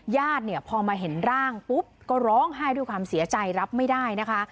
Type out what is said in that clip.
ญาติเนี่ยพอมาเห็นร่างปุ๊บก็ร้องไห้ด้วยความเสียใจรับไม่ได้นะคะ